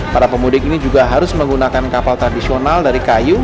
para pemudik ini juga harus menggunakan kapal tradisional dari kayu